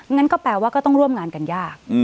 งั้นก็แปลว่าก็ต้องร่วมงานกันยาก